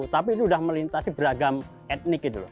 tapi itu sudah melintasi beragam etnik